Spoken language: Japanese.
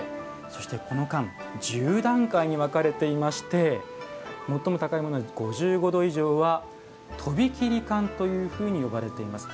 そしてこの燗１０段階に分かれていまして最も高いもので５５℃以上は「飛び切り燗」というふうに呼ばれています。